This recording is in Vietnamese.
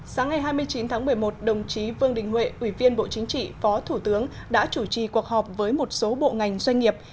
sáng ngày hai mươi chín tháng một mươi một đồng chí vương đình huệ ủy viên bộ chính trị phó thủ tướng đã chủ trì cuộc họp với một số bộ ngành doanh nghiệp